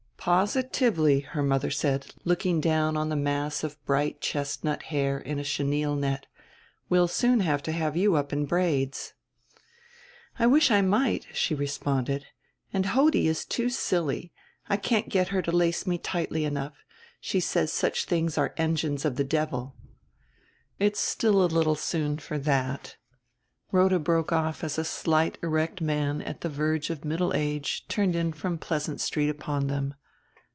"Positively," her mother said, looking down on the mass of bright chestnut hair in a chenille net, "we'll soon have to have you up in braids." "I wish I might," she responded. "And Hodie is too silly I can't get her to lace me tightly enough. She says such things are engines of the devil." "It's still a little soon for that " Rhoda broke off as a slight erect man at the verge of middle age turned in from Pleasant Street upon them.